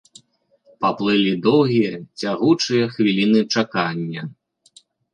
Паплылі доўгія, цягучыя хвіліны чакання.